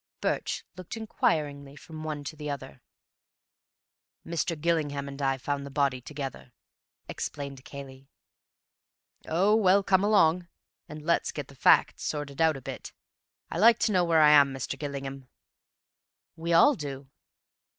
Birch looked inquiringly from one to the other. "Mr. Gillingham and I found the body together," explained Cayley. "Oh! Well, come along, and let's get the facts sorted out a bit. I like to know where I am, Mr. Gillingham." "We all do."